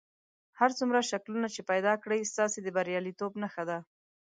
هر څومره شکلونه چې پیدا کړئ ستاسې د بریالیتوب نښه ده.